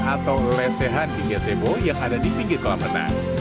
atau lesehan hingga zebo yang ada di pinggir kolam renang